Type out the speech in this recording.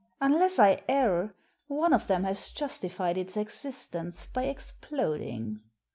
Unless I err, one of them has justified its existence by exploding.